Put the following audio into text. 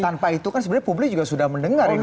tanpa itu kan sebenarnya publik juga sudah mendengar ini